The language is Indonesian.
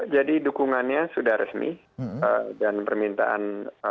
jadi dukungannya sudah resmi dan permintaan